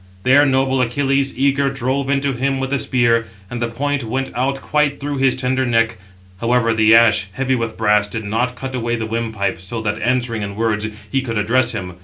There noble Achilles, eager, drove into him with the spear, and the point went out quite through his tender neck. However the ash, heavy with brass, did not cut away the windpipe, so that, answering in words, he could address him.